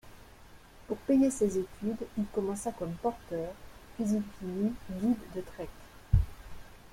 Pour payer ses études, il commença comme porteur, puis il finit guide de trek.